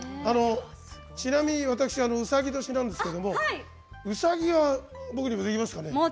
ちなみに私うさぎ年なんですけどうさぎは僕でもできますかね？